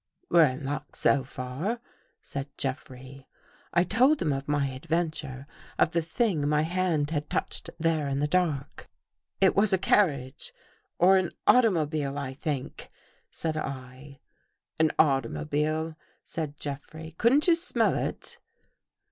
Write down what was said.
" We're in luck, so far," said Jeffrey. I told him of my adventure — of the thing my hand had touched there in the dark. " It was a carriage or an automobile, I think," said I. " An automobile," said Jeffrey. " Couldn't you smell it?"